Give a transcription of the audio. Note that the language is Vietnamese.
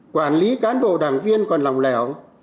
quản lý cán bộ đảng viên còn lòng lẻo